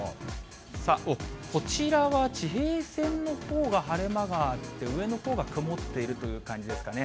さあ、おっ、こちらは地平線のほうが晴れ間があって、上のほうが曇っているという感じですかね。